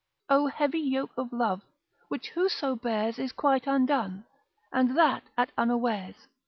Oh heavy yoke of love, which whoso bears, Is quite undone, and that at unawares.